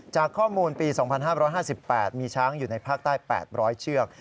จากข้อมูลปี๒๕๕๘มีช้างอยู่ในภาคใต้๘๐๐เชือก